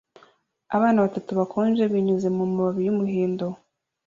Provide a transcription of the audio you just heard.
Abana batatu bakonje binyuze mumababi yumuhindo